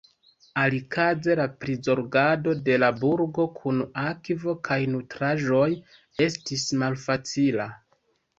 Alikaze la prizorgado de la burgo kun akvo kaj nutraĵoj estis malfacila.